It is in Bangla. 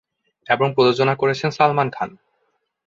এবং প্রযোজনা করেছেন সালমান খান।